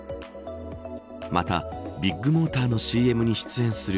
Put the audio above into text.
また、ビッグモーターのＣＭに出演する